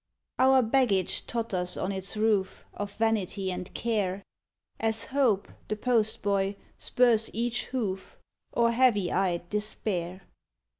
Our baggage totters on its roof, Of Vanity and Care, As Hope, the postboy, spurs each hoof, Or heavy eyed Despair.